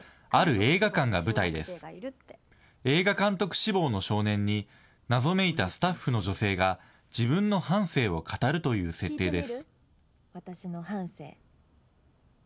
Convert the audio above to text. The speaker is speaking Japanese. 映画監督志望の少年に謎めいたスタッフの女性が自分の半生を語るという設定です。